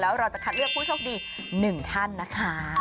แล้วเราจะคัดเลือกผู้โชคดี๑ท่านนะคะ